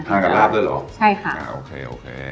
ทานกับราบด้วยหรออเรนนี่ใช่ค่ะค่ะโอเค